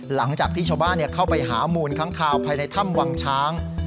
หลังจากที่ชาวบ้านเข้าไปหามูลค้างคาวภายในถ้ำวังช้าง